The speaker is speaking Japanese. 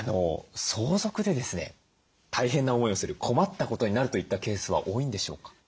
相続でですね大変な思いをする困ったことになるといったケースは多いんでしょうか？